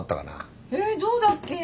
えっどうだっけ。